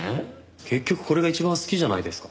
結局これが一番好きじゃないですか。